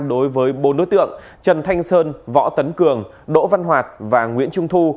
đối với bốn đối tượng trần thanh sơn võ tấn cường đỗ văn hoạt và nguyễn trung thu